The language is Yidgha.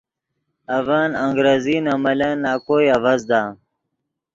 اڤن انگریزی نے ملن نَکوئے اڤزدا۔